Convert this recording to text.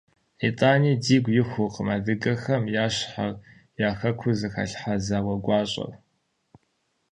Итӏани, дигу ихуркъым адыгэхэм я щхьэр, я Хэкур зыхалъхьа зауэ гуащӏэр.